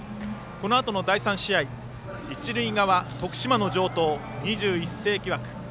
このあとの第３試合一塁側、徳島・城東は２１世紀枠。